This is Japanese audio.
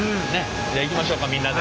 じゃあいきましょうかみんなで。